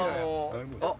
あっ！